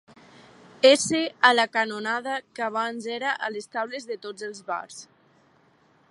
S a la canonada que abans era a les taules de tots els bars.